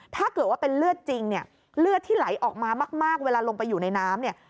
ถ้าเกิดว่าเป็นเลือดจริงเนี่ยเลือดที่ไหลออกมามากเวลาลงไปอยู่ในน้ำเนี่ย